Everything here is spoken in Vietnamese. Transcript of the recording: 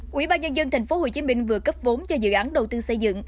quỹ ba nhân dân tp hcm vừa cấp vốn cho dự án đầu tư xây dựng